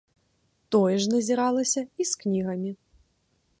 Тое ж назіралася і з кнігамі.